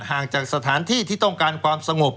ห่างจากสถานที่ที่ต้องการความสงบ